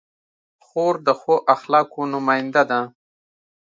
خور د ښو اخلاقو نماینده ده.